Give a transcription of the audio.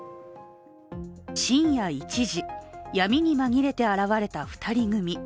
深夜１時、闇に紛れて現れた２人組。